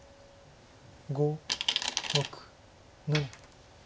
５６７。